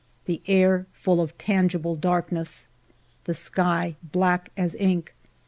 The air full of tangible darkness. The sky black as ink.